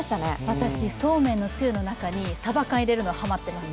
私、そうめんのつゆの中にさば缶入れるのハマってます。